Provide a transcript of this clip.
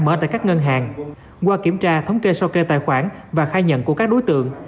mở tại các ngân hàng qua kiểm tra thống kê sơ kê tài khoản và khai nhận của các đối tượng